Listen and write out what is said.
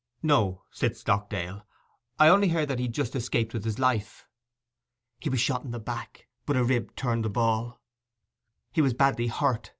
'No,' said Stockdale. 'I only heard that he just escaped with his life.' 'He was shot in the back; but a rib turned the ball. He was badly hurt.